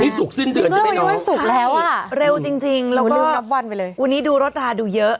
นี่ศุกร์สิ้นเดือนใช่ไหมน้องเร็วจริงจริงแล้วก็วันนี้ดูรถดาดูเยอะ